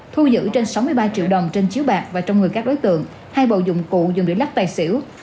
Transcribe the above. thu giữ trên sáu mươi ba triệu đồng trên chiếu bạc và trong người các đối tượng hai bộ dụng cụ dùng để lắc tài xỉu